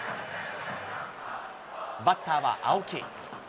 バッターは青木。